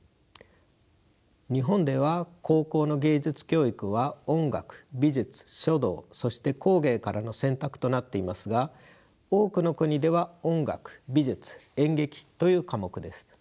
日本では高校の芸術教育は音楽美術書道そして工芸からの選択となっていますが多くの国では音楽美術演劇という科目です。